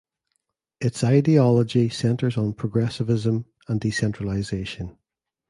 Its ideology centers on progressivism and decentralization.